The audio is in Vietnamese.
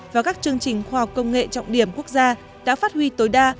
và các chương trình khoa học công nghệ trọng điểm quốc gia đã phát huy tối đa